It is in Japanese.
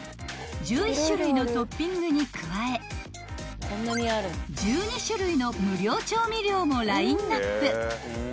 ［１１種類のトッピングに加え１２種類の無料調味料もラインアップ］